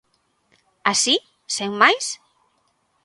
_¿Así sen máis?